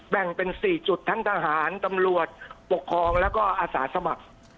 แบ่งเป็น๔จุดทั้งทหารตำรวจปกครองแล้วก็อาสาสมัคร